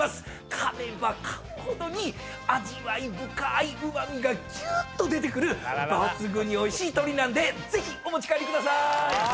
かめばかむほどに味わい深ーいうま味がきゅーっと出てくる抜群においしい鶏なんでぜひお持ち帰りくださーい。